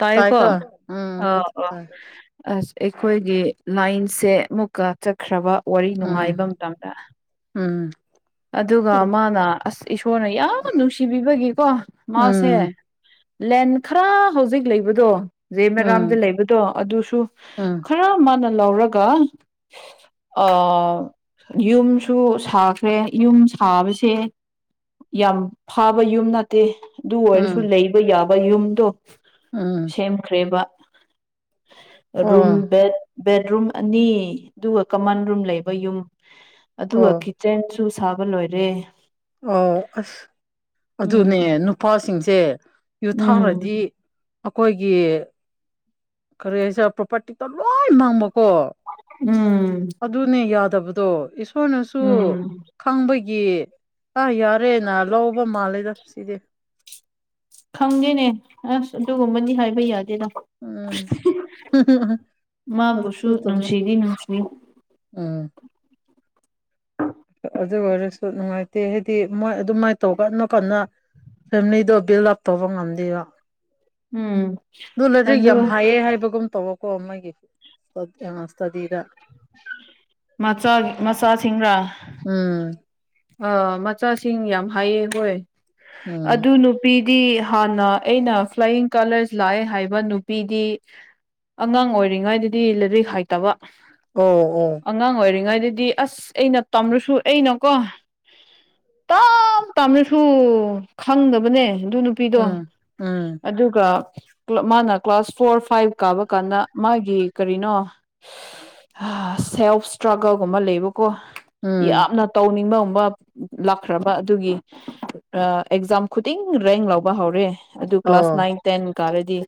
ꯇꯥꯏꯌꯦꯀꯣ ꯇꯥꯏꯀꯣ ꯎꯝ ꯑꯩꯗꯤ ꯑꯥꯎ ꯑꯥ ꯇꯥꯏ ꯑꯁ ꯑꯩꯈꯣꯏꯒꯤ ꯂꯥꯏꯟꯁꯦ ꯑꯃꯨꯛꯀ ꯆꯠꯈ꯭ꯔꯕ ꯋꯥꯔꯤ ꯅꯨꯡꯉꯥꯏꯕ ꯎꯝ ꯃꯇꯝꯗ ꯎꯝ ꯑꯗꯨꯒ ꯎꯝ ꯃꯥꯅ ꯑꯁ ꯏꯁꯣꯔꯅ ꯌꯥꯝ ꯅꯨꯡꯁꯤꯕꯤꯕꯒꯤꯀꯣ ꯃꯥꯁꯦ ꯂꯦꯟ ꯈꯔ ꯍꯧꯖꯤꯛ ꯂꯩꯕꯗꯣ ꯎꯝ ꯂꯩꯃꯦꯔꯥꯝꯗ ꯎꯝ ꯂꯩꯕꯗꯣ ꯑꯗꯨꯁꯨ ꯈꯔ ꯈꯔ ꯃꯥꯅ ꯂꯧꯔꯒ ꯑꯥ ꯌꯨꯝꯁꯨ ꯁꯥ ꯈ꯭ꯔꯦ ꯌꯨꯝ ꯁꯥꯕꯁꯦ ꯌꯥꯝ ꯐꯥꯕ ꯌꯨꯝ ꯅꯠ ꯇꯦ ꯑꯗꯨ ꯑꯣꯏꯔꯁꯨ ꯎꯝ ꯂꯩꯕ ꯌꯥꯕ ꯌꯨꯝꯗꯣ ꯎꯝ ꯁꯦꯝ ꯈ꯭ꯔꯦꯕ ꯔꯨꯝ ꯑꯣ ꯕꯦꯠ ꯕꯦꯠꯔꯨꯝ ꯑꯅꯤ ꯑꯗꯨꯒ ꯀꯃꯟ ꯔꯨꯝ ꯂꯩꯕ ꯌꯨꯝ ꯑꯗꯨꯒ ꯑꯣ ꯈꯤ ꯆꯦꯟꯁꯨꯨ ꯁꯥꯕ ꯂꯣꯏꯔꯦ ꯑꯣ ꯑꯁ ꯑꯗꯨꯅꯦ ꯎꯝ ꯅꯨꯄꯥꯁꯤꯡꯁꯦ ꯎꯝ ꯌꯨꯊꯥꯔꯗꯤ ꯑꯈꯣꯏꯒꯤ ꯀꯔꯤ ꯍꯥꯏꯁꯤꯔ ꯄ꯭ꯔꯣꯄꯔꯇꯤꯛꯇꯣ ꯂꯣꯏ ꯃꯥꯡꯕꯀꯣ ꯎꯝ ꯑꯗꯨꯅꯦ ꯌꯥꯗꯕꯗꯣ ꯏꯁꯣꯔꯅꯁꯨ ꯎꯝ ꯈꯪꯕꯒꯤ ꯑꯥ ꯌꯥꯔꯦꯅ ꯂꯧꯕ ꯃꯥꯜꯂꯦꯗ ꯁꯤꯗꯤ ꯈꯪꯗꯦꯅꯦ ꯑꯁ ꯑꯗꯨꯒꯨꯝꯕꯗꯤ ꯍꯥꯏꯕ ꯌꯥꯗꯦꯗ ꯎꯝ [unintelligible] ꯃꯥꯕꯨꯁꯨ ꯑꯗꯨꯁꯨ ꯆꯨꯝꯃꯦ ꯅꯨꯡꯁꯤꯗꯤ ꯅꯨꯡꯁꯤ ꯎꯝ ꯑꯗꯨ ꯑꯣꯏꯔꯁꯨ ꯅꯨꯡꯉꯥꯏꯇꯦ ꯍꯥꯏꯗꯤ ꯃꯣꯏ ꯑꯗꯨꯃꯥꯏꯅ ꯇꯧ ꯀꯟꯅ ꯀꯟꯅ ꯐꯦꯃꯤꯂꯤꯗꯣ ꯕꯤꯜ ꯑꯞ ꯇꯧꯕ ꯉꯝꯗꯦꯕ ꯎꯝ ꯑꯗꯨꯅꯗꯤꯛ ꯑꯗꯨ ꯌꯥꯝ ꯍꯥꯏꯌꯦ ꯍꯥꯏꯕꯒꯨꯝ ꯇꯧꯕꯀꯣ ꯃꯣꯏꯒꯤ ꯏꯁꯇꯗꯤꯗ ꯃꯆꯥꯒꯤ ꯃꯆꯥꯁꯤꯡꯔꯥ ꯎꯝ ꯑꯥ ꯃꯆꯥꯁꯤꯡ ꯌꯥꯝ ꯍꯥꯏꯑ ꯍꯣꯏ ꯎꯝ ꯑꯗꯨꯅꯨ ꯅꯨꯄꯤꯗꯤ ꯍꯥꯟꯅ ꯑꯩꯅ ꯐ꯭ꯂꯌꯤꯡ ꯀꯂꯔꯁ ꯂꯥꯛꯑꯦ ꯍꯥꯏꯕ ꯅꯨꯄꯤꯗꯤ ꯑꯉꯥꯡ ꯑꯣꯏꯔꯤꯉꯩꯗꯗꯤ ꯂꯥꯏꯔꯤꯛ ꯍꯥꯏꯇꯕ ꯑꯣ ꯑꯣ ꯑꯉꯥꯡ ꯑꯣꯏꯔꯤꯉꯩꯗꯗꯤ ꯑꯁ ꯑꯩꯅ ꯄꯥꯝꯔꯁꯨ ꯑꯩꯅꯀꯣ ꯇꯥꯞ ꯇꯥꯝꯔꯁꯨ ꯈꯪꯗꯕꯅꯦ ꯑꯗꯨ ꯅꯨ ꯄꯤꯗꯣ ꯎꯝ ꯎꯝ ꯑꯗꯨꯒ ꯀꯂ ꯃꯥꯅ ꯀ꯭ꯂꯥꯁ ꯐꯣꯔ ꯐꯥꯏꯚ ꯀꯥꯕ ꯀꯥꯟꯗ ꯃꯥꯒꯤ ꯀꯔꯤꯅꯣ ꯁ ꯁꯦꯜꯐ ꯏꯁꯇ꯭ꯔꯒꯜꯒꯨꯝꯕ ꯂꯩꯕꯀꯣ ꯎꯝ ꯌꯥꯝꯅ ꯇꯧꯅꯤꯡꯕ ꯃꯨ ꯄ ꯂꯥꯛꯈ꯭ꯔꯕ ꯑꯗꯨꯒꯤ ꯑꯥ ꯑꯦꯛꯖꯥꯝ ꯈꯨꯗꯤꯡ ꯔꯦꯡ ꯂꯧꯕ ꯍꯧꯔꯦ ꯑꯗꯨ ꯀ꯭ꯂꯥꯁ ꯑꯣ ꯅꯥꯏꯟ ꯇꯦꯟ ꯀꯥꯔꯗꯤ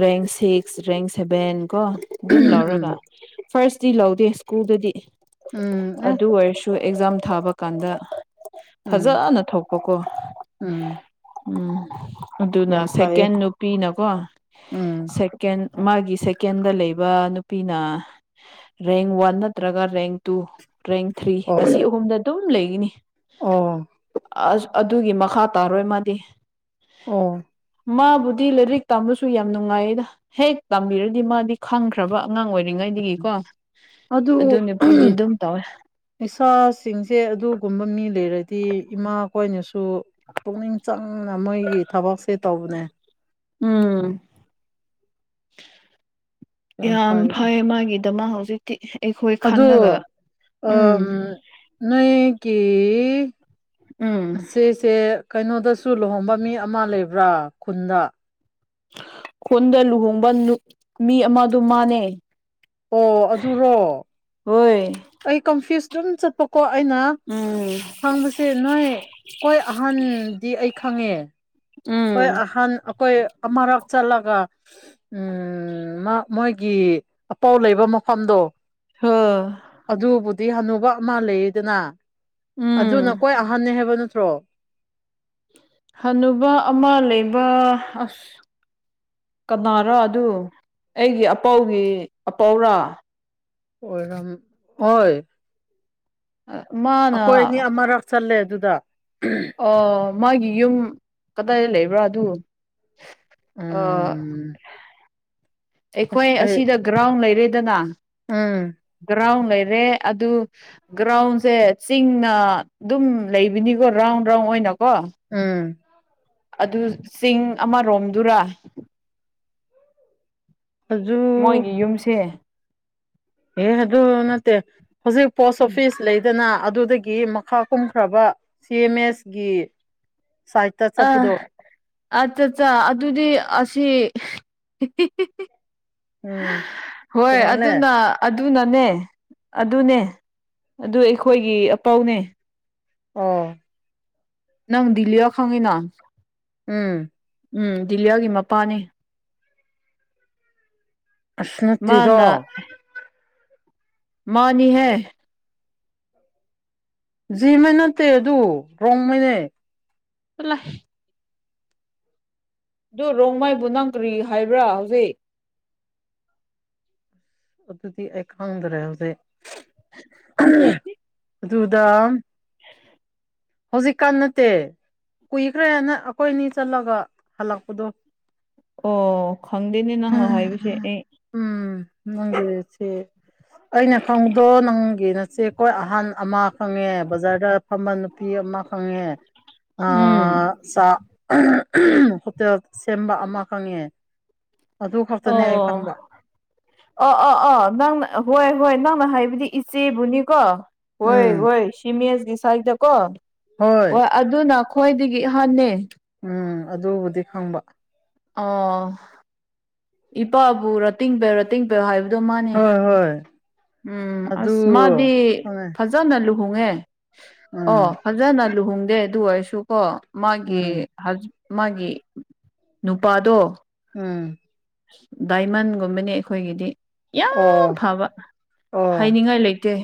ꯔꯦꯡ ꯁꯤꯛꯁ ꯔꯦꯡ ꯁꯚꯦꯟ ꯀꯣ ꯑꯗꯨꯝ ꯂꯧꯔꯒ ꯎꯝ ꯐꯥꯔꯁꯇꯤ ꯂꯧꯗꯦ ꯁ꯭ꯀꯨꯜꯗꯗꯤ ꯎꯝ ꯑꯦ ꯑꯗꯨ ꯑꯣꯏꯔꯁꯨ ꯇꯨ ꯑꯦꯛꯖꯥꯝ ꯊꯥꯕ ꯀꯥꯟꯗ ꯎꯝ ꯐꯖꯅ ꯊꯣꯛꯄꯀꯣ ꯎꯝ ꯎꯝ ꯑꯗꯨꯅ ꯌꯥꯝ ꯐꯩꯌꯦ ꯁꯦꯀꯦꯟ ꯅꯨꯄꯤꯅꯀꯣ ꯎꯝ ꯁꯦ ꯁꯦꯀꯦꯟ ꯃꯥꯒꯤ ꯁꯦꯀꯦꯟꯗ ꯂꯩꯕ ꯅꯨꯄꯤꯅ ꯔꯦꯡ ꯋꯥꯟ ꯅꯠꯇ꯭ꯔꯒ ꯔꯦꯡ ꯇꯨ ꯔꯦꯡ ꯊ꯭ꯔꯤ ꯑꯣ ꯑꯁꯤ ꯑꯍꯨꯝꯗ ꯑꯗꯨꯝ ꯂꯩꯒꯅꯤ ꯑꯣ ꯑꯁ ꯑꯗꯨꯒꯤ ꯃꯈꯥ ꯇꯥꯔꯣꯏ ꯃꯥꯗꯤ ꯑꯣ ꯃꯥꯕꯨꯗꯤ ꯂꯥꯏꯔꯤꯛ ꯇꯝꯕꯁꯨ ꯌꯥꯝ ꯅꯨꯡꯉꯥꯏꯌꯦꯗ ꯍꯦꯛ ꯇꯥꯝꯕꯤꯔꯗꯤ ꯃꯥꯗꯤ ꯈꯪꯈ꯭ꯔꯕ ꯑꯉꯥꯡ ꯑꯣꯏꯔꯤꯉꯩꯗꯒꯤꯀꯣ ꯑꯗꯨ ꯅꯨꯄꯤꯗꯤ ꯑꯗꯨꯝ ꯇꯧꯋꯦ ꯏꯁꯥꯁꯤꯡꯁꯦ ꯑꯗꯨꯒꯨꯝꯕ ꯃꯤ ꯂꯩꯔꯗꯤ ꯏꯃꯥ ꯀꯣꯏꯅꯁꯨ ꯄꯨꯛꯅꯤꯡ ꯆꯪꯅ ꯃꯣꯏꯒꯤ ꯊꯕꯛꯁꯦ ꯇꯧꯕꯅꯦ ꯎꯝ ꯌꯥꯝ ꯐꯩ ꯃꯥꯒꯤꯗꯃ ꯍꯧꯖꯤꯛꯇꯤ ꯑꯩꯈꯣꯏ ꯈꯜꯂꯒ ꯎꯝ ꯅ ꯀ ꯎꯝ ꯁꯤꯁꯦ ꯀꯩꯅꯣꯗꯁꯨ ꯂꯨꯍꯣꯡꯕ ꯃꯤ ꯑꯃ ꯂꯩꯕ꯭ꯔꯥ ꯈꯨꯟꯗ ꯈꯨꯟꯗ ꯂꯨꯍꯣꯡꯕ ꯃꯤ ꯑꯃ ꯑꯗꯨ ꯃꯥꯟꯅꯩ ꯑꯣ ꯑꯗꯨꯔꯣ ꯍꯣꯏ ꯑꯩ ꯀꯟꯐ꯭ꯌꯨꯁ ꯑꯗꯨꯝ ꯆꯠꯄꯀꯣ ꯑꯩꯅ ꯎꯝ ꯈꯥꯡꯕꯕꯁꯤ [unintelligible] ꯅꯣꯏ ꯀꯣꯏ ꯑꯍꯟꯗꯤ ꯑꯩ ꯈꯪꯉꯦ ꯑꯩꯈꯣꯏ ꯎꯝ ꯑꯍꯟ ꯑꯩꯈꯣꯏ ꯑꯃꯨꯔꯛ ꯆꯠꯂꯒ ꯎ ꯃꯥ ꯃꯣꯏꯒꯤ ꯑꯄꯥꯎ ꯂꯩꯕ ꯃꯐꯝꯗꯣ ꯍꯥꯥ ꯑꯗꯨꯕꯨꯗꯤ ꯍꯅꯨꯕ ꯑꯃ ꯂꯩꯗꯅ ꯑꯗꯨꯅ ꯎꯝ ꯀꯣꯏ ꯑꯍꯟꯅꯅꯤ ꯍꯥꯏꯕ ꯅꯠꯇ꯭ꯔꯣ ꯍꯟꯅꯨꯕ ꯑꯃ ꯂꯩꯕ ꯑꯁ ꯀꯅꯥꯔꯣ ꯑꯗꯨ ꯑꯩꯒꯤ ꯑꯄꯥꯎꯒꯤ ꯑꯄꯥꯎꯔꯥ ꯑꯣꯏꯔꯝ ꯍꯣꯏ ꯃꯥꯅ ꯑꯩꯈꯣꯏꯅꯤ ꯑꯃꯔꯛ ꯆꯜꯂꯦ ꯑꯗꯨꯗ [unintelligible] ꯑꯥ ꯃꯥꯒꯤ ꯌꯨꯝ ꯀꯗꯥꯏꯗ ꯂꯩꯕ꯭ꯔꯥ ꯑꯗꯨ ꯑꯥ ꯎꯝ ꯑꯩꯈꯣꯏ ꯑꯁ ꯑꯩ ꯑꯁꯤꯗ ꯒ꯭ꯔꯥꯎꯟ ꯂꯩꯔꯦꯗꯅ ꯎꯝ ꯒ꯭ꯔꯥꯎꯟ ꯂꯩꯔꯦ ꯑꯗꯨ ꯒ꯭ꯔꯥꯎꯟꯁꯦ ꯆꯤꯡꯅ ꯑꯗꯨꯝ ꯂꯩꯕꯅꯤꯀꯣ ꯔꯥꯎꯟ ꯔꯥꯎꯟ ꯑꯣꯏꯅꯀꯣ ꯎꯝ ꯑꯗꯨ ꯆꯤꯡ ꯑꯃꯔꯣꯝꯗꯨꯔꯥ ꯑꯗꯨ ꯃꯣꯏꯒꯤ ꯌꯨꯝꯁꯦ ꯑꯦ ꯑꯗꯨ ꯅꯠꯇꯦ ꯍꯧꯖꯤꯛ ꯄꯣꯁ ꯎꯝ ꯑꯣꯐꯤꯁ ꯂꯩꯗꯅ ꯑꯗꯨꯗꯒꯤ ꯃꯈꯥ ꯀꯨꯝꯈ꯭ꯔꯕ ꯁꯤ ꯑꯦꯝ ꯑꯦꯁꯒꯤ ꯑ ꯑꯠ ꯑꯠꯆꯥ ꯑꯗꯨꯗꯤ ꯑꯁꯤ [unintelligible] ꯎꯝ ꯍꯣꯏ ꯇꯣꯡꯉꯥꯜꯂꯦ ꯑꯗꯨꯅ ꯑꯗꯨꯅꯅꯦ ꯑꯗꯨꯅꯦ ꯑꯗꯨ ꯑꯩꯈꯣꯏꯒꯤ ꯑꯄꯧꯅꯦ ꯑꯣ ꯅꯪ ꯗꯤꯜꯂꯤꯌꯥꯑꯣ ꯈꯪꯉꯤ ꯅ ꯎꯝ ꯎꯝ ꯗꯤꯂꯤꯌꯣꯒꯤ ꯃꯄꯥꯅꯤ ꯑꯁ ꯅꯠꯇꯦꯗ ꯃꯥꯅ ꯃꯥꯅꯤ ꯍꯦ ꯖꯤꯃꯦ ꯅꯠꯇꯦ ꯑꯗꯨ ꯔꯣꯡꯃꯩꯅꯦ [unintelligible] ꯑꯗꯨ ꯔꯣꯡꯃꯥꯏꯕꯨ ꯅꯪ ꯀꯔꯤ ꯍꯥꯏꯕ꯭ꯔꯥ ꯍꯧꯖꯤꯛ ꯑꯗꯨꯗꯤ ꯑꯩ ꯈꯪꯗ꯭ꯔꯦ ꯍꯧꯖꯤꯛ ꯑꯗꯨꯗ ꯍꯧꯖꯤꯛꯀꯥꯟ ꯅꯠꯇꯦ ꯀꯨꯏꯈ꯭ꯔꯦꯅ ꯑꯩꯈꯣꯏ ꯑꯅꯤ ꯆꯠꯂꯒ ꯍꯜꯂꯛꯄꯗꯣ ꯑꯣ ꯈꯪꯗꯦꯅꯦ ꯅꯪꯅ ꯍꯥꯏꯕꯁꯦ ꯑꯩ ꯎꯝ ꯅꯪꯒꯤ ꯁꯤ ꯑꯩꯅ ꯈꯪꯕꯗꯣ ꯅꯪꯒꯤ ꯅꯆꯦ ꯈꯣꯏ ꯑꯍꯥꯟ ꯑꯃ ꯈꯪꯉꯦ ꯕꯖꯥꯔꯗ ꯐꯝꯕ ꯅꯨꯄꯤ ꯑꯃ ꯈꯪꯉꯦ ꯑ ꯎꯝ ꯆ ꯍꯣꯇꯦꯜ ꯁꯦꯝꯕ ꯑꯃꯈꯪꯉꯦ ꯑꯣ ꯑ ꯑ ꯑꯥ ꯅꯪꯅ ꯍꯣꯏ ꯍꯣꯏ ꯅꯪꯅ ꯍꯥꯏꯕꯗꯤ ꯏꯆꯦꯕꯨꯅꯤꯀꯣ ꯍꯣꯏ ꯎꯝ ꯍꯣꯏ ꯁꯤꯃꯤꯁꯀꯤ ꯁꯥꯥꯏꯗ ꯀꯣ ꯍꯣꯏ ꯑꯗꯨꯅ ꯈꯣꯏꯗꯒꯤ ꯑꯍꯥꯟꯅꯦ ꯎꯝ ꯑꯗꯨꯕꯨꯗꯤ ꯈꯪꯕ ꯑꯣ ꯏꯄꯥꯕꯨ ꯔꯇꯤꯡ ꯕꯌꯨ ꯔꯇꯤꯡꯕꯌꯨ ꯍꯥꯏꯕꯗꯣ ꯃꯥꯅꯦ ꯍꯣꯏ ꯍꯣꯏ ꯎꯝ ꯑꯗꯨ ꯑꯁ ꯃꯥꯗꯤ ꯐꯖ ꯈꯪꯉꯦ ꯐꯖꯅ ꯂꯨꯍꯣꯡꯉꯦ ꯎꯝ ꯑꯣ ꯐꯖꯅ ꯂꯨꯍꯣꯡꯗꯦ ꯑꯗꯨ ꯑꯣꯏꯔꯁꯨ ꯀꯣ ꯃꯥꯒꯤ ꯎꯝ ꯍꯖ ꯃꯥꯒꯤ ꯅꯨꯄꯥꯗꯣ ꯎꯝ ꯗꯥꯏꯃꯟꯒꯨꯝꯕꯅꯤ ꯑꯩꯈꯣꯏꯒꯤꯗꯤ ꯌꯥꯝ ꯑꯣ ꯐꯕ ꯑꯣ ꯍꯥꯏꯅꯤꯡꯉꯥꯏ ꯂꯩꯇꯦ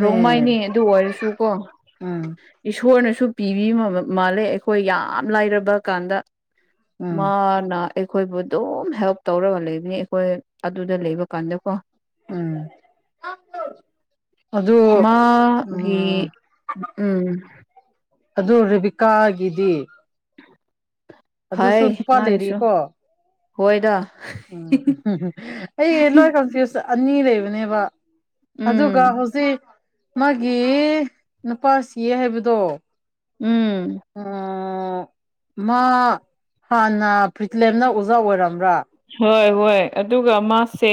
ꯔꯣꯡ ꯃꯥꯏꯅꯦ ꯑꯗꯨ ꯑꯣꯏꯔꯁꯨꯀꯣ ꯎꯝ ꯏꯁꯣꯔꯅꯁꯨ ꯄꯤꯕꯤꯕ ꯃꯥꯜꯂꯦ ꯑꯩꯈꯣꯏ ꯌꯥꯝ ꯂꯥꯏꯔꯕ ꯀꯥꯟꯗ ꯎꯝ ꯃꯥꯅꯥ ꯑꯩꯈꯣꯏꯕꯨ ꯑꯗꯨꯝ ꯍꯦꯜꯞ ꯇꯧꯔꯒ ꯂꯩꯕꯅꯤ ꯑꯩꯈꯣꯏ ꯑꯗꯨꯗ ꯂꯩꯕ ꯀꯥꯟꯗꯀꯣ ꯎꯝ ꯑꯗꯨ ꯎꯝ ꯃꯥꯒꯤ ꯎꯝ ꯑꯗꯨ ꯔꯦꯕꯤꯀꯥꯒꯤꯗꯤ ꯑꯗꯨꯁꯨ ꯐꯥꯏ ꯅꯨꯄꯥ ꯃꯥꯒꯤꯁꯨ ꯂꯩꯔꯤꯀꯣ ꯍꯣꯏꯗ ꯎꯝ ꯑꯩ ꯂꯣꯏ ꯀꯟꯐ꯭ꯌꯨꯁ ꯑꯅꯤ ꯂꯩꯕꯅꯦꯕ ꯑꯗꯨꯒ ꯎꯝ ꯍꯧꯖꯤꯛ ꯃꯥꯒꯤ ꯅꯨꯄꯥ ꯁꯤꯌꯦ ꯍꯥꯏꯕꯗꯣ ꯎꯝ ꯑꯣ ꯃꯥ ꯍꯥꯟꯅ ꯐ꯭ꯔꯤꯊꯂꯦꯝꯅ ꯑꯣꯖꯥ ꯑꯣꯏꯔꯝꯕ꯭ꯔꯥ ꯍꯣꯏ ꯍꯣꯏ ꯑꯗꯨꯒ ꯃꯥꯁꯦ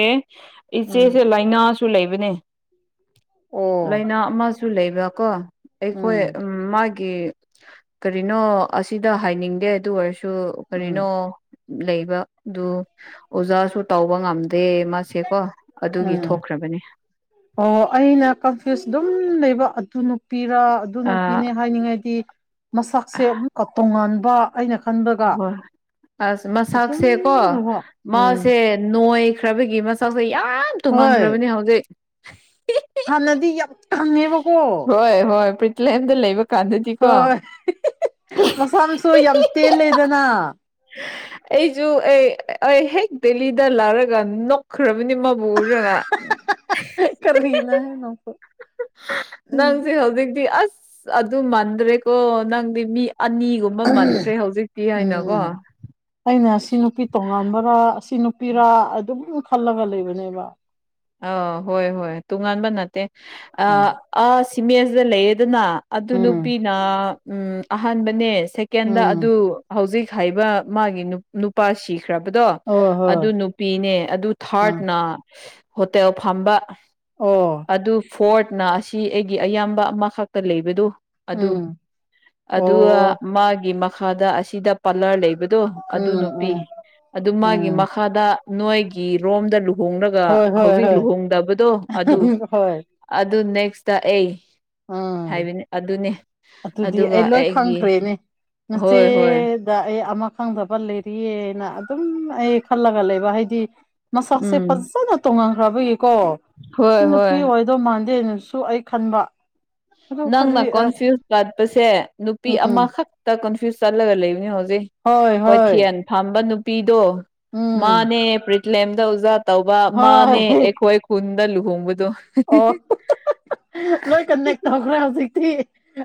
ꯎꯝ ꯏꯆꯦꯁꯦ ꯂꯥꯏꯅꯥꯁꯨ ꯂꯩꯕꯅꯦ ꯑꯣ ꯂꯥꯏꯅꯥ ꯑꯃꯁꯨ ꯂꯩꯕ ꯀꯣ ꯑꯩꯈꯣꯏ ꯎꯝ ꯃꯥꯒꯤ ꯒꯤ ꯀꯔꯤꯅꯣ ꯑꯁꯤꯗ ꯍꯥꯏꯅꯤꯡꯗꯦ ꯑꯗꯨ ꯑꯣꯏꯔꯁꯨ ꯎꯝ ꯀꯔꯤꯅꯣ ꯂꯩꯕ ꯑꯗꯨ ꯑꯣꯖꯥꯁꯨ ꯇꯧꯕ ꯉꯝꯗꯦ ꯃꯥꯁꯦꯀꯣ ꯑꯗꯨꯒꯤ ꯎꯝ ꯊꯣꯛꯈ꯭ꯔꯕꯅꯤ ꯑꯣ ꯑꯩꯅ ꯀꯟꯐ꯭ꯌꯨꯁ ꯑꯗꯨꯝ ꯂꯩꯕ ꯑꯗꯨ ꯅꯨꯄꯤꯔꯥ ꯑꯗꯨ ꯑ ꯅꯨꯄꯤꯅꯦ ꯍꯥꯏꯅꯤꯡꯉꯥꯏꯗꯤ ꯃꯁꯛꯁꯦ ꯑꯃꯨꯛ ꯇꯣꯉꯥꯟꯕ ꯑꯩꯅ ꯈꯟꯕꯒ ꯍꯣꯏ ꯑꯁ ꯑꯗꯨꯝ ꯃꯁꯥꯛꯁꯦ ꯀꯣ ꯇꯧꯕ ꯎꯝ ꯃꯥꯁꯦ ꯅꯣꯏꯈ꯭ꯔꯕꯒꯤ ꯃꯁꯛꯁꯦ ꯌꯥꯝ ꯍꯣꯏ ꯇꯨꯡꯍꯟꯈ꯭ꯔꯕꯅꯤ ꯍꯧꯖꯤꯛ ꯍꯥꯟꯅꯗꯤ ꯌꯥꯝ ꯀꯪꯉꯦꯕꯀꯣ ꯍꯣꯏ ꯍꯣꯏ ꯄ꯭ꯔꯤꯊꯂꯝꯗ ꯂꯩꯕ ꯀꯥꯟꯗꯖꯤ ꯀꯣ ꯍꯣꯏ [unintelligible] ꯇꯦꯜ ꯂꯦꯗꯅ [inaudible] ꯑꯩꯁꯨ ꯑꯩ ꯑꯩ ꯍꯦꯛ ꯗꯦꯂꯤꯗ ꯂꯥꯛꯔꯒ ꯅꯣꯛꯈ꯭ꯔꯕꯅꯤ ꯃꯕꯨ ꯎꯔꯒ ꯀꯔꯤꯅ ꯅꯪꯁꯨ ꯅꯟꯁꯤ ꯍꯧꯖꯤꯛꯇꯤ ꯑꯁ ꯑꯗꯨ ꯃꯥꯟꯗ꯭ꯔꯦꯀꯣ ꯅꯪꯗꯤ ꯃꯤ ꯑꯅꯤꯒꯨꯝꯕ ꯃꯟꯈ꯭ꯔꯦ ꯍꯧꯖꯤꯛꯇꯤ ꯍꯥꯏꯅꯀꯣ ꯎꯝ ꯑꯩꯅ ꯁꯤ ꯅꯨꯄꯤ ꯇꯣꯉꯥꯟꯕꯔꯥ ꯁꯤ ꯅꯨꯄꯤꯔꯥ ꯑꯗꯨꯝ ꯈꯜꯂꯒ ꯂꯩꯕꯅꯦꯕ ꯑꯥ ꯍꯣꯏ ꯍꯣꯏ ꯇꯣꯉꯥꯟꯕ ꯅꯠꯇꯦ ꯎꯝ ꯑꯥ ꯁꯤꯃꯦꯁꯤꯗ ꯂꯩꯌꯦꯗꯅ ꯑꯗꯨ ꯎꯝ ꯅꯨꯄꯤꯅ ꯎꯝ ꯑꯍꯥꯟꯕꯅꯦ ꯁꯦꯀꯦꯟꯗ ꯎꯝ ꯑꯗꯨ ꯍꯧꯖꯤꯛ ꯍꯥꯏꯕ ꯃꯥꯒꯤ ꯅꯨꯄꯥꯁꯤ ꯈ꯭ꯔꯕꯗꯣ ꯍꯣꯏ ꯑꯗꯨ ꯍꯣꯏ ꯅꯨꯄꯤꯅꯦ ꯑꯗꯨ ꯎꯝ ꯊꯥꯔꯠꯅ ꯍꯣꯇꯦꯜ ꯐꯝꯕ ꯑꯣ ꯑꯗꯨ ꯐꯣꯔꯠꯅ ꯑꯁꯤ ꯑꯩꯒꯤ ꯑꯌꯥꯝꯕ ꯑꯃꯈꯛꯇ ꯂꯩꯕꯗꯨ ꯑꯗꯨ ꯎꯝ ꯑꯗꯨꯒ ꯑꯣ ꯃꯥꯒꯤ ꯃꯈꯥꯗ ꯑꯁꯤꯗ ꯄꯥꯂꯔ ꯂꯩꯕꯗꯣ ꯑꯗꯨ ꯎꯝ ꯅꯨꯄꯤ ꯎꯝ ꯑꯗꯨ ꯃꯥꯒꯤ ꯎꯝ ꯃꯈꯥꯗ ꯅꯣꯏꯒꯤ ꯔꯣꯝꯗ ꯂꯨꯍꯣꯡꯂꯒ ꯍꯣꯏ ꯍꯣꯏ ꯍꯧꯖꯤꯛ ꯍꯣꯏ ꯂꯨꯍꯣꯡꯗꯕꯗꯣ ꯑꯗꯨ ꯍꯣꯏ ꯑꯗꯨ ꯅꯦꯛꯁꯇ ꯑꯩ ꯎꯝ ꯍꯥꯏꯕꯅꯤ ꯑꯗꯨꯅꯦ ꯑꯗꯨꯗꯤ ꯑꯗꯨꯒ ꯑꯩ ꯂꯣꯏ ꯑꯩꯒꯤ ꯈꯪꯈ꯭ꯔꯦꯅꯦ ꯉꯆꯦ ꯍꯣꯏ ꯍꯣꯏ ꯗ ꯑꯩ ꯑꯃ ꯈꯪꯗꯕ ꯂꯩꯔꯤꯑꯅ ꯑꯗꯨꯝ ꯑꯩ ꯈꯜꯂꯒ ꯂꯩꯕ ꯍꯥꯏꯗꯤ ꯃꯁꯛꯁꯦ ꯎꯝ ꯐꯖꯅ ꯇꯣꯡꯍꯟꯈ꯭ꯔꯕꯒꯤꯀꯣ ꯁꯤ ꯍꯣꯏ ꯍꯣꯏ ꯅꯨꯄꯤ ꯑꯣꯏ ꯑꯗꯣ ꯃꯥꯟꯗꯦꯅꯁꯨ ꯑꯩ ꯈꯟꯕ ꯑꯗꯨ ꯅꯪꯅ ꯀꯔꯤ ꯀꯣꯟꯐ꯭ꯌꯨꯁ ꯆꯠꯄꯁꯦ ꯅꯨꯄꯤ ꯎꯝ ꯑꯃꯈꯛꯇ ꯀꯣꯟꯐ꯭ꯌꯨꯁ ꯆꯠꯂꯒ ꯂꯩꯕꯅꯤ ꯍꯧꯖꯤꯛ ꯍꯣꯏ ꯍꯣꯏ ꯀꯣꯏꯊꯦꯜ ꯐꯝꯕ ꯅꯨꯄꯤꯗꯣ ꯎꯝ ꯃꯥꯅꯦ ꯄ꯭ꯔꯤꯠꯂꯦꯝꯗ ꯑꯣꯖꯥ ꯇꯧꯕ ꯃꯥꯅꯦ ꯍꯣꯏ ꯑꯩꯈꯣꯏ ꯈꯨꯟꯗ ꯂꯨꯍꯣꯡꯕꯗꯣ ꯑꯣ ꯂꯣꯏ ꯀꯟꯅꯦꯛ ꯇꯧꯈ꯭ꯔꯦ ꯍꯧꯖꯤꯛꯇꯤ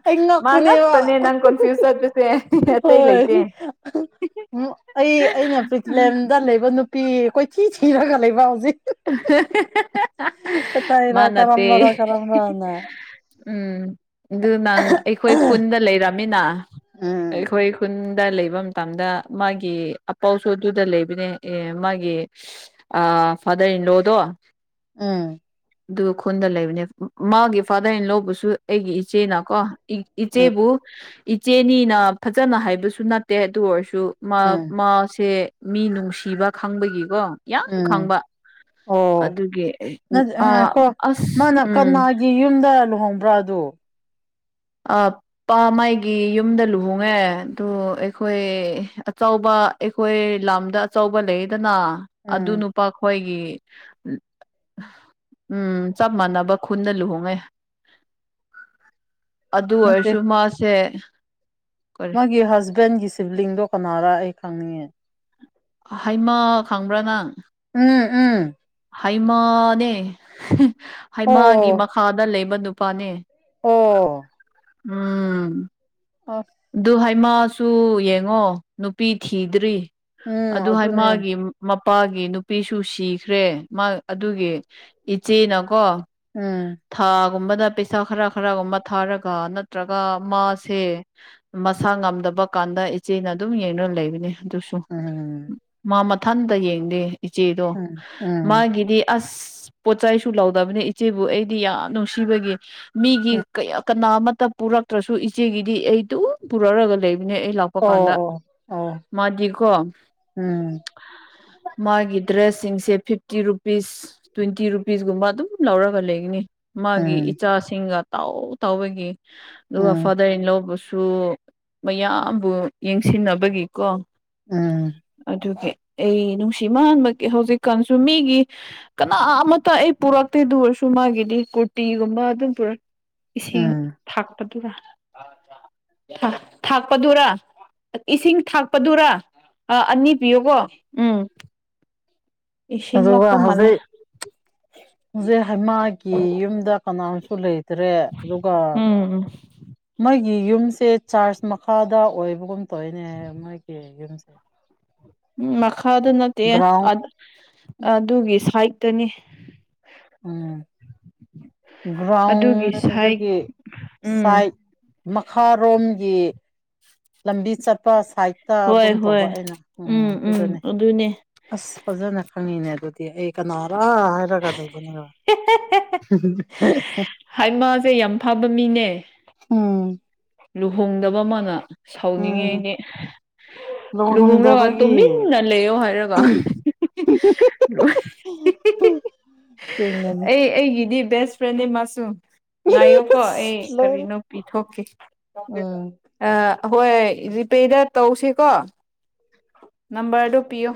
ꯑꯩ ꯃꯥ ꯉꯛꯄꯅꯦꯕ ꯉꯛꯇꯅꯦ ꯅꯪ ꯀꯣꯟꯐ꯭ꯌꯨꯁ ꯆꯠꯄꯁꯦ ꯑꯇꯩ ꯍꯣꯏ ꯂꯩꯇꯦ ꯎ ꯑꯩ ꯑꯩꯅ ꯄ꯭ꯔꯤꯊꯤꯂꯦꯝꯗ ꯂꯩꯕ ꯅꯨꯄꯤ ꯀꯣꯏꯊꯤ ꯊꯤꯔꯒ ꯂꯩꯕ ꯍꯧꯖꯤꯛ [inaudible] ꯔꯥ ꯀꯔꯝꯕꯔꯥ ꯀꯔꯝ ꯔꯥꯅ [unintelligible] ꯎꯝ ꯑꯗꯨ ꯅꯪ ꯑꯩꯈꯣꯏ ꯈꯨꯟꯗ ꯂꯩꯔꯝꯃꯤꯅ ꯎꯝ ꯑꯩꯈꯣꯏ ꯈꯨꯟꯗ ꯂꯩꯐꯝ ꯃꯇꯝꯗ ꯃꯥꯒꯤ ꯑꯄꯥꯎꯁꯨ ꯑꯗꯨꯗ ꯂꯩꯕꯅꯦ ꯑꯦ ꯃꯥꯒꯤ ꯐꯗꯔ ꯏꯟ ꯂꯣ ꯗꯣ ꯎꯝ ꯑꯗꯨ ꯈꯨꯟꯗ ꯂꯩꯕꯅꯦ ꯃꯥꯒꯤ ꯐꯥꯗꯔ ꯏꯟ ꯂꯧꯕꯨꯁꯨ ꯑꯩꯒꯤ ꯏꯆꯦꯅꯀꯣ ꯎꯝ ꯏꯆꯦꯕꯨ ꯏꯆꯦꯅꯤꯅ ꯐꯖꯅ ꯍꯥꯏꯕꯁꯨ ꯅꯠꯇꯦ ꯑꯗꯨ ꯑꯣꯏꯔꯁꯨ ꯃꯥ ꯎꯝ ꯃꯥꯁꯦ ꯃꯤ ꯅꯨꯡꯁꯤꯕ ꯈꯪꯕꯒꯤꯀꯣ ꯌꯥꯝ ꯎꯝ ꯈꯪꯕ ꯑꯣ ꯑꯗꯨꯒꯤ ꯑꯥ ꯑꯁ ꯃꯥꯅ ꯎꯝ ꯀꯅꯥꯒꯤ ꯌꯨꯝꯗ ꯂꯨꯍꯣꯡꯕ꯭ꯔꯥ ꯑ ꯑꯗꯨ ꯑꯥꯄ ꯄꯥ ꯃꯥꯏꯒꯤ ꯌꯨꯝꯗ ꯂꯨꯍꯣꯡꯉꯦ ꯑꯗꯨ ꯑꯩꯈꯣꯏ ꯑꯆꯕ ꯑꯩꯈꯣꯏ ꯂꯝꯗ ꯑꯆꯧꯕ ꯂꯩꯌꯦꯗꯅ ꯎꯝ ꯑꯗꯨꯅ ꯈꯣꯏꯒꯤ ꯎꯝ ꯆꯞ ꯃꯥꯟꯅꯕ ꯈꯨꯟꯅ ꯂꯨꯍꯣꯡꯉꯦ ꯑꯗꯨ ꯅꯠꯇꯦ ꯑꯣꯏꯔꯁꯨ ꯃꯥꯁꯦ ꯀꯔꯤ ꯑꯩꯒꯤ ꯍꯖꯕꯦꯟꯒꯤ ꯁꯤꯕ꯭ꯂꯤꯡꯗꯣ ꯀꯅꯥꯔ ꯑꯩ ꯈꯪꯅꯤꯡꯉꯦ ꯍꯩꯃ ꯈꯪꯕ꯭ꯔꯥ ꯅꯪ ꯎꯝ ꯎꯝ ꯍꯩꯃꯥꯅꯦ ꯍꯩꯃꯥꯒꯤ ꯑꯣ ꯃꯈꯥꯗ ꯂꯩꯕ ꯅꯨꯄꯥꯅꯦ ꯑꯣ ꯎꯝ ꯑ ꯑꯗꯨ ꯍꯥꯏꯃꯁꯨ ꯌꯦꯡꯉꯣ ꯅꯨꯄꯤ ꯊꯤꯗ꯭ꯔꯤ ꯎꯝ ꯑꯗꯨ ꯑꯗꯨꯅꯦ ꯍꯥꯏꯃꯒꯤ ꯃꯄꯥꯒꯤ ꯅꯨꯄꯤꯁꯨ ꯁꯤꯈ꯭ꯔꯦ ꯃꯥ ꯑꯗꯨꯒꯤ ꯏꯆꯦꯅꯀꯣ ꯎꯝ ꯊꯥꯒꯨꯝꯕꯗ ꯄꯩꯁꯥ ꯈꯔ ꯈꯔꯒꯨꯝꯕ ꯊꯥꯔꯒ ꯅꯠꯇ꯭ꯔꯒ ꯃꯥꯁꯦ ꯃꯁꯥ ꯉꯝꯗꯕ ꯀꯥꯟꯗ ꯏꯆꯦꯅ ꯑꯗꯨꯝ ꯌꯦꯡꯅꯅ ꯂꯩꯕꯅꯤ ꯑꯗꯨꯁꯨ ꯎꯝ ꯃꯥ ꯃꯊꯟꯇ ꯌꯦꯡꯗꯦ ꯏꯆꯦꯗꯣ ꯎꯝ ꯎꯝ ꯃꯥꯒꯤꯗꯤ ꯑꯁ ꯄꯣꯠꯆ ꯆꯩꯁꯨ ꯂꯧꯗꯕꯅꯤ ꯏꯆꯦꯕꯨ ꯑꯩꯗꯤ ꯌꯥꯝ ꯅꯨꯡꯁꯤꯕꯒꯤ ꯎꯝ ꯃꯤꯒꯤ ꯀꯌꯥ ꯀꯅꯥ ꯑꯃꯠꯇ ꯄꯨꯔꯛꯇ꯭ꯔꯁꯨ ꯏꯆꯦꯒꯤꯗꯤ ꯑꯩꯗꯨ ꯄꯨꯔꯛꯔꯒ ꯂꯩꯕꯅꯦ ꯑꯩ ꯂ ꯊꯣꯛꯄ ꯑꯣ ꯀꯥꯟꯗ ꯑꯣ ꯑꯣ ꯃꯥꯗꯤꯀꯣ ꯎꯝ ꯃꯥꯒꯤ ꯗ꯭ꯔꯦꯁꯁꯤꯡꯁꯦ ꯐꯤꯐꯇꯤ ꯔꯨꯄꯤꯁ ꯇ꯭ꯋꯦꯟꯇꯤ ꯔꯨꯄꯤꯁꯒꯨꯝꯕ ꯑꯗꯨꯝ ꯂꯧꯔꯒ ꯂꯩꯒꯅꯤ ꯃꯥꯒꯤ ꯎꯝ ꯏꯆꯥꯁꯤꯡꯒ ꯇꯥꯎ ꯇꯥꯎꯕꯒꯤ ꯑꯗꯨꯒ ꯎꯝ ꯐꯥꯗꯔ ꯏꯟ ꯂꯧꯕꯁꯨ ꯁꯨ ꯃꯌꯥꯝꯕꯨ ꯌꯦꯡꯁꯤꯟꯅꯕꯒꯤꯀꯣ ꯎꯝ ꯑꯗꯨꯒꯤ ꯑꯩ ꯅꯨꯡꯁꯤ ꯃꯥꯟꯕꯒꯤ ꯍꯧꯖꯤꯛꯀꯥꯟꯁꯨ ꯃꯤꯒꯤ ꯀꯅꯥ ꯑꯃꯇ ꯑꯩ ꯄꯨꯔꯛꯇꯦ ꯑꯗꯨ ꯑꯣꯏꯔꯁꯨ ꯃꯥꯒꯤꯗꯤ ꯀꯨꯔꯇꯤꯒꯨꯝꯕ ꯑꯗꯨꯝ ꯏꯁꯤꯡ ꯎꯝ ꯊꯥꯛꯄꯗꯨꯒ ꯊ ꯊꯥꯛꯄꯗꯨꯔ ꯏꯁꯤꯡ ꯊꯥꯛꯄꯗꯨꯔꯥ ꯑꯅꯤ ꯄꯤꯌꯨꯀꯣ ꯎꯝ ꯏꯁꯤꯡ ꯑꯗꯨꯒ ꯂꯥꯛꯄ ꯃꯥꯜꯂꯦ ꯍꯧꯖꯤꯛ ꯍꯧꯖꯤꯛ ꯍꯩꯃꯒꯤ ꯌꯨꯝꯗ ꯀꯅꯥꯝꯁꯨ ꯂꯩꯇ꯭ꯔꯦ ꯑꯗꯨꯒ ꯎꯝ ꯎꯝ ꯃꯣꯏꯒꯤ ꯌꯨꯝꯁꯦ ꯆꯥꯔꯖ ꯃꯈꯥꯗ ꯑꯣꯏꯕꯒꯨꯝ ꯇꯧꯔꯤꯅꯦ ꯃꯣꯏꯒꯤ ꯌꯨꯝꯁ ꯎ ꯎꯝ ꯃꯈꯥꯗ ꯅꯠꯇꯦ ꯑꯗꯨꯒꯤ ꯁꯥꯏꯠꯇꯅꯤ ꯎꯝ ꯑꯗꯨꯒꯤ ꯁꯥꯏꯠ ꯒ꯭ꯔꯥꯎꯟꯗꯒꯤ ꯎꯝ ꯁꯥꯏꯠ ꯃꯈꯥꯔꯣꯝꯒꯤ ꯂꯝꯕꯤ ꯆꯠꯄ ꯁꯥꯏ ꯍꯣꯏ ꯍꯞꯇꯥꯒꯨꯝ ꯇꯧꯕ ꯍꯣꯏ ꯑꯩꯅ ꯎꯝ ꯑꯗꯨꯗꯅꯦ ꯑꯁ ꯐꯖꯅ ꯈꯪꯉꯅꯦ ꯑꯗꯨꯗꯤ ꯑꯩ ꯀꯅꯥꯔꯥ ꯀꯔꯒꯗꯕꯅꯤ ꯋꯥ ꯍꯥꯏ ꯃꯥꯁꯦ ꯌꯥꯝ ꯐꯕ ꯃꯤꯅꯦ ꯎꯝ ꯂꯨꯍꯣꯡꯗꯕ ꯑꯃꯅ ꯎꯝ ꯁꯥꯎꯅꯤꯡꯉꯤꯗꯤ ꯂꯨꯍꯣꯡꯔꯒ ꯂꯨꯍꯣꯡꯗꯕꯒꯤ ꯇꯨꯃꯤꯟꯅ ꯂꯩꯌꯣ ꯍꯥꯏꯔꯒ ꯑ ꯍ ꯑꯩꯒꯤꯗꯤ ꯕꯦꯁ ꯐ꯭ꯔꯦꯟꯗꯦ ꯃꯥꯁꯨ ꯉꯥꯏꯌꯣꯀꯣ ꯑꯩ ꯂꯣꯏꯔꯦ ꯀꯔꯤꯅꯣ ꯄꯤꯊꯣꯛꯀꯦ ꯎꯝ ꯑ ꯍꯣꯏ ꯖꯤꯄꯦꯗ ꯇꯧꯁꯤꯀꯣ ꯅꯝꯕꯔ ꯗꯨ ꯄꯤꯌꯨ